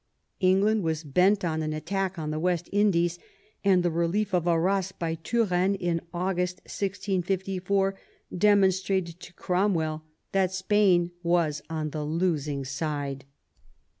England was bent on an attack on the West Indies; and the relief of Arras by Turenne in August 1654 de monstrated to Cromwell that Spain was on the losing side.